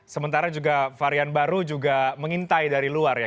sementara juga varian baru juga mengintai dari luar ya